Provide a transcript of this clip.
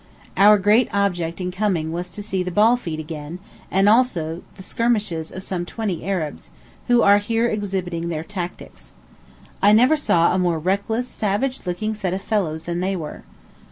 Our great object in coming was to see the ball feat again, and also the skirmishes of some twenty Arabs, who are here exhibiting their tactics. I never saw a more reckless, savage looking set of fellows than they were.